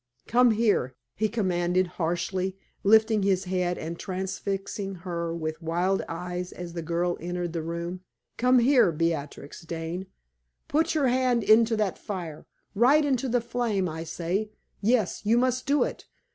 "Come here!" he commanded, harshly, lifting his head and transfixing her with wild eyes as the girl entered the room "come here, Beatrix Dane! Put your hand into that fire right into the flame, I say. Yes; you must do it.